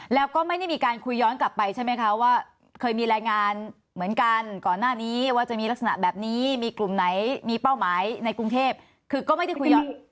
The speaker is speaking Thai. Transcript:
แล้วก็ไม่ได้มีการคุยย้อนกลับไปใช่ไหมคะว่าเคยมีรายงานเหมือนกันก่อนหน้านี้ว่าจะมีลักษณะแบบนี้มีกลุ่มไหนมีเป้าหมายในกรุงเทพคือก็ไม่ได้คุยเยอะ